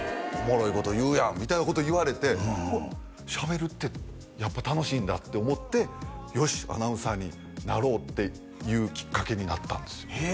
「おもろいこと言うやん」みたいなこと言われて喋るってやっぱ楽しいんだって思ってよしアナウンサーになろうっていうキッカケになったんですよ